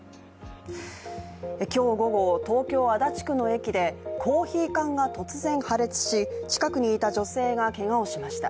今日午後、東京・足立区の駅でコーヒー缶が突然破裂し、近くにいた女性がけがをしました。